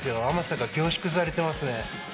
甘さが凝縮されてますね。